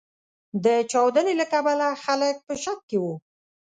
د چاودنې له کبله خلګ په شک کې و.